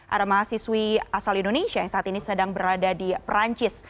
ada mahasiswi asal indonesia yang saat ini sedang berada di perancis